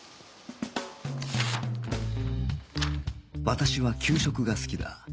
私は給食が好きだ